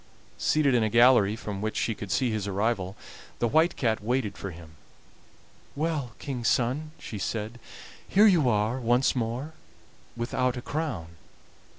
Seated in a gallery from which she could see his arrival, the White Cat waited for him. "Well, King's son," she said, "here you are once more, without a crown."